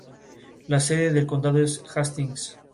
La sede del condado es Hastings.